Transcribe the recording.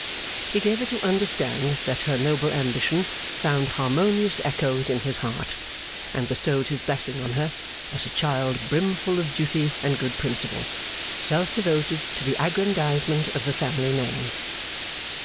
He gave her to understand that her noble ambition found harmonious echoes in his heart; and bestowed his blessing on her, as a child brimful of duty and good principle, self devoted to the aggrandisement of the family name.